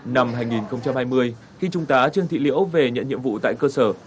năm hai nghìn hai mươi khi trung tá trương thị liễu về nhận nhiệm vụ tại cơ sở